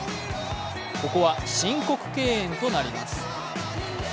ここは申告敬遠となります。